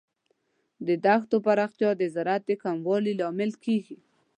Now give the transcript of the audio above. د دښتو پراختیا د زراعت د کموالي لامل کیږي.